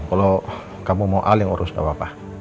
kalau kamu mau al yang urus nggak apa apa